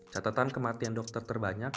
catatan kematian dokter terbanyak